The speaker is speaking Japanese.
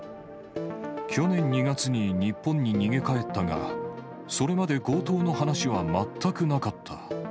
去年２月に日本に逃げ帰ったが、それまで強盗の話は全くなかった。